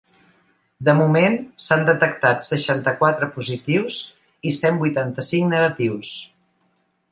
De moment, s’han detectat seixanta-quatre positius i cent vuitanta-cinc negatius.